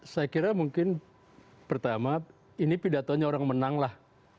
saya kira mungkin pertama ini pidatonya orang menang lah